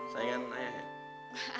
sayang ayah ya